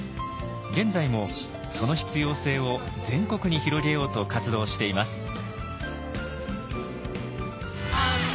現在もその必要性を全国に広げようと活動しています。